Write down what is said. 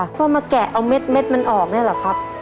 ก็มาแกะเอาเม็ดมันออกนี่แหละครับ